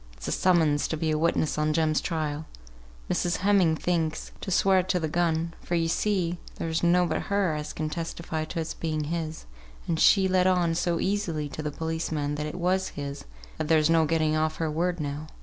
It's a summons to be a witness on Jem's trial Mrs. Heming thinks, to swear to the gun; for, yo see, there's nobbut her as can testify to its being his, and she let on so easily to the policeman that it was his, that there's no getting off her word now.